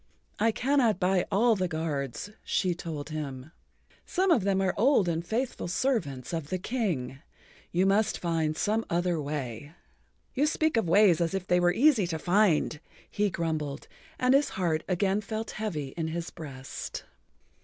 "I cannot buy all the guards," she told him. "Some of them are old and faithful servants of the King. You must find some other way." "You speak of ways as if they were easy to find," he grumbled, and his heart again felt heavy in his breast.